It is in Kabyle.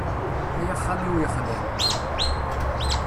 Ay axxam-iw yexlan!